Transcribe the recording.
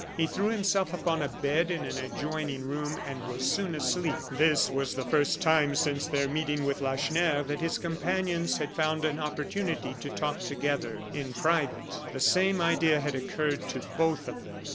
He threw himself upon a bed in an adjoining room, and was soon asleep. This was the first time since their meeting with Lacheneur that his companions had found an opportunity to talk together in private. The same idea had occurred to both of them.